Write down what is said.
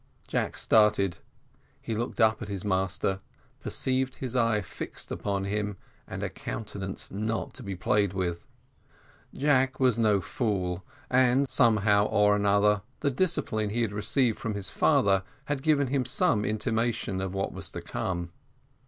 Jack started; he looked up at his master, perceived his eye fixed upon him, and a countenance not to be played with. Jack was no fool, and somehow or another, the discipline he had received from his father had given him some intimation of what was to come.